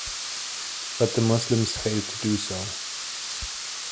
But the Muslims failed to do so.